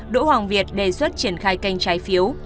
đỗ hoàng việt đề xuất triển khai kênh trái phiếu